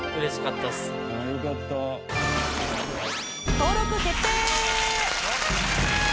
登録決定！